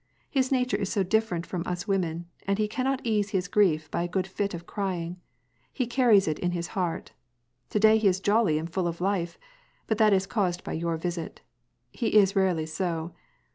His nature is so different from us women, and he cannot ease his grief by a good fit of crying. He carries it in his heart To day he is jolly and full of life ; but that is caused by your visit. He is rarely so.